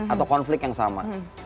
atau konflik yang sama